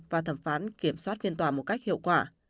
và thẩm phán kiểm soát phiên tòa một cách hiệu quả